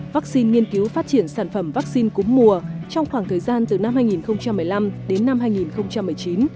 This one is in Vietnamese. vắc xin nghiên cứu phát triển sản phẩm vắc xin cúm mùa trong khoảng thời gian từ năm hai nghìn một mươi năm đến năm hai nghìn một mươi chín